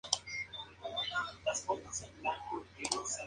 La vencer a Marvin, Taz roba una nave y vuelve a Tasmania.